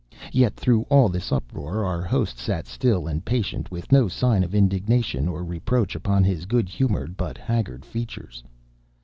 Yet, through all this uproar, our host sat still and patient, with no sign of indignation or reproach upon his good humored but haggard features.